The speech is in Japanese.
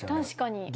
確かに。